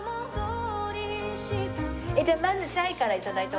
じゃあまずチャイから頂いた方が？